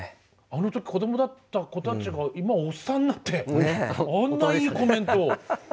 あの時子どもだった子たちが今おっさんになってあんないいコメントを。